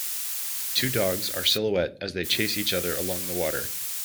Two dogs are silhouette as they chase each other along the water.